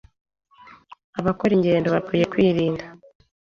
Abakora ingendo bakwiye kwirinda